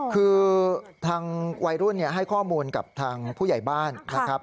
คือทางวัยรุ่นให้ข้อมูลกับทางผู้ใหญ่บ้านนะครับ